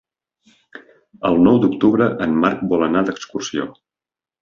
El nou d'octubre en Marc vol anar d'excursió.